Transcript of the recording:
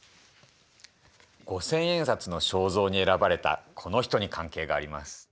五千円札の肖像に選ばれたこの人に関係があります。